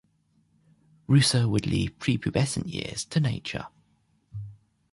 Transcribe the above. Rousseau would leave prepubescent years to nature.